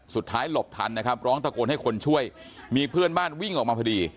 สุดท้ายหลบทันนะครับร้องตะโกนให้คนช่วยมีเพื่อนบ้านวิ่งออกมาพอดี